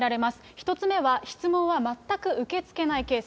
１つ目は質問は全く受け付けないケース。